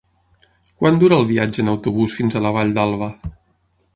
Quant dura el viatge en autobús fins a la Vall d'Alba?